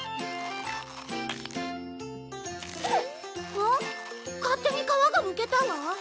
あっ勝手に皮がむけたわ！